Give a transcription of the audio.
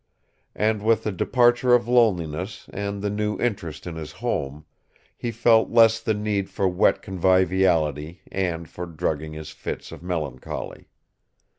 And with the departure of loneliness and the new interest in his home, he felt less the need for wet conviviality and for drugging his fits of melancholy.